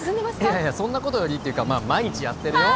いやいやそんなことよりっていうかまあ毎日やってるよ